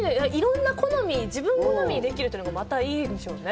自分好みにできるのがまたいいんでしょうね。